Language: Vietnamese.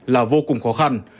là vô cùng khó khăn